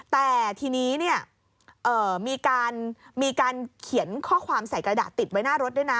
แต่ทีนี้มีการเขียนข้อความใส่กระดาษติดไว้หน้ารถด้วยนะ